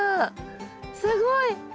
すごい！